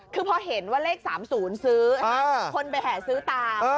คือพอเห็นว่าเลข๓๐ซื้อคนไปแห่ซื้อตาม